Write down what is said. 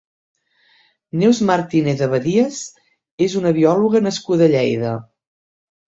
Neus Martínez-Abadías és una biòloga nascuda a Lleida.